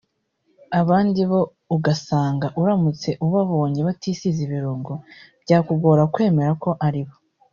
Abandi bo ugasanga uramutse ubabonye batisize ibirungo byakugora kwemera ko aribo